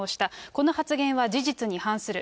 この発言は事実に反する。